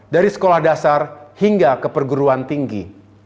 dari sekolah dasar hingga ke perguruan tinggi